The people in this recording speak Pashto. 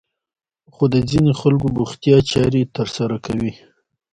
خو د ځينې خلکو بوختيا چارې ترسره کوي.